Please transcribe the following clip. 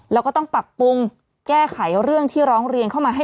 แล้วก็ต้องปรับปรุงแก้ไขเรื่องที่ร้องเรียนเข้ามาให้